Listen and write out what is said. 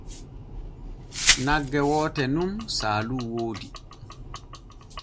Nagge woote nun saalu woodi.